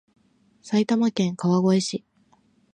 埼玉県川越市